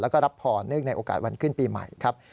แล้วก็รับพรเนื่องในโอกาสวันขึ้นปีใหม่ครับ